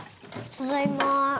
ただいま。